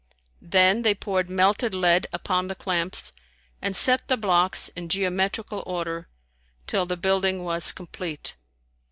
Then they poured melted lead upon the clamps and set the blocks in geometrical order, till the building was complete.